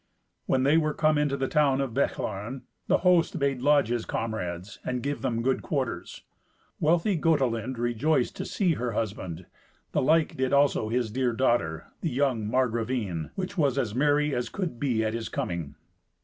When they were come into the town of Bechlaren, the host bade lodge his comrades, and give them good quarters. Wealthy Gotelind rejoiced to see her husband, the like did also his dear daughter, the young Margravine, that was as merry as could be at his coming.